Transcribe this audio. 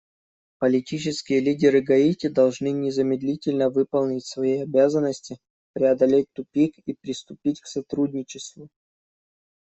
Политические лидеры Гаити должны незамедлительно выполнить свои обязанности, преодолеть тупик и приступить к сотрудничеству.